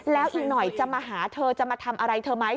แล้วอีกหน่อยจะมาหาเธอจะมาทำอะไรเธอไหม